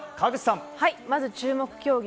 まず注目競技